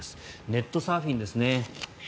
ネットサーフィンですね。